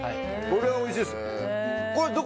これはおいしいです。